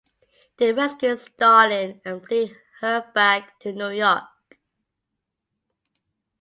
They rescued Stalling and flew her back to New York.